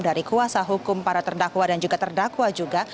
dari kuasa hukum para terdakwa dan juga terdakwa juga